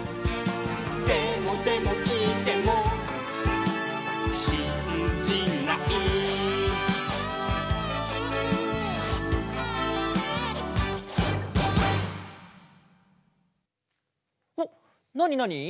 「でもでもきいてもしんじない」おっなになに？